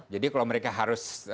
jadi kalau mereka harus